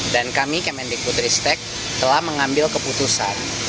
dan kami kemendik putristek telah mengambil keputusan